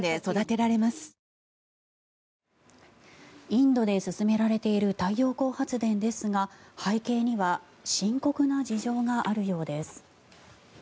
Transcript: インドで進められている太陽光発電ですが背景には深刻な事情があるようです。